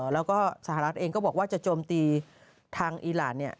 แล้วก็สหรัฐเองก็บอกว่าจะโจมตีทางอีหลาน